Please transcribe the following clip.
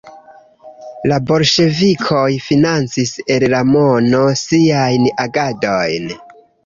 La bolŝevikoj financis el la mono siajn agadojn.